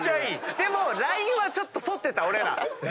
でもラインはちょっと沿ってた俺ら。